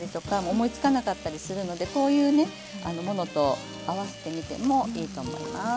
思いつかなかったりするのでこういうねものと合わせてみてもいいと思います。